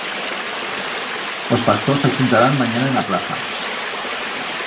Os pastors s'achuntarán manyana en a plaza.